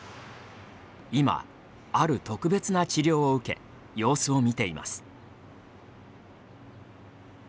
今ある特別な治療を受け様子を見ています。